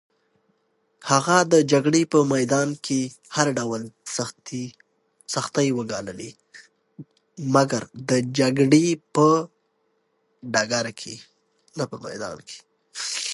هغه د جګړې په میدان کې هر ډول سختۍ وګاللې.